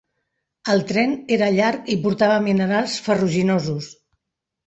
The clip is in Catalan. El tren era llarg i portava minerals ferruginosos.